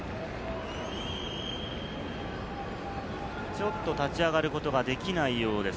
ちょっと立ち上げることができないようです。